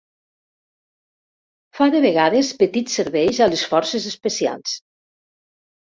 Fa de vegades petits serveis a les Forces Especials.